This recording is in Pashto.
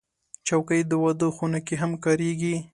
چوکۍ د واده خونه کې هم کارېږي.